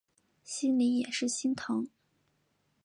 心里也是心疼